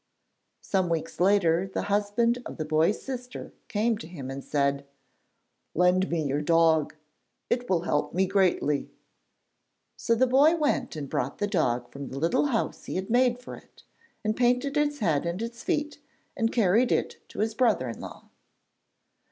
Some weeks later the husband of the boy's sister came to him and said: 'Lend me your dog, it will help me greatly.' So the boy went and brought the dog from the little house he had made for it, and painted its head and its feet, and carried it to his brother in law.